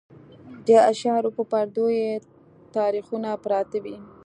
د اشعارو په پردو کې یې تاریخونه پراته وي.